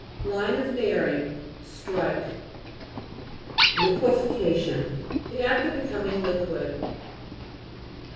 LINE OF BEARING Strike (p. 185). LIQUEFA'CTION The act of becoming liquid.